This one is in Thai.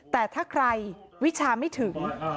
แต่ถ้าใครวิชาไม่ถึง